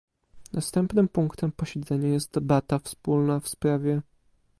Następnym punktem posiedzenia jest debata wspólna w sprawie